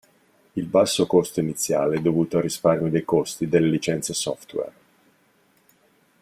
Il basso costo iniziale dovuto al risparmio dei costi delle licenze software.